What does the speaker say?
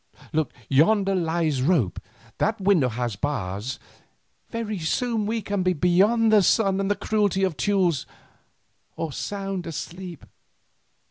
Yonder lies rope, that window has bars, very soon we can be beyond the sun and the cruelty of Teules, or sound asleep.